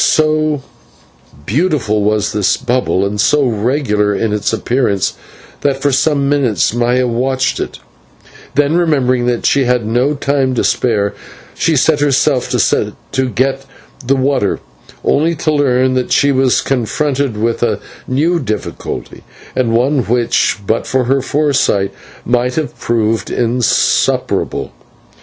So beautiful was this bubble and so regular its appearance that for some minutes Maya watched it; then, remembering that she had no time to spare, she set herself to get the water, only to learn that she was confronted by a new difficulty and one which but for her foresight might have proved insuperable.